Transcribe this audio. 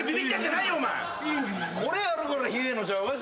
これあるから冷えへんのちゃう？